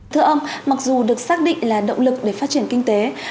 thưa ông mặc dù được xác định là động lực để phát triển kinh tế